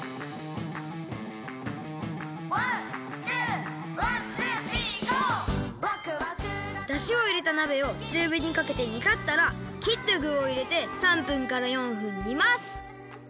「ワンツーワンツースリーＧＯ！」だしをいれたなべをちゅうびにかけてにたったらきったぐをいれて３分から４分にます！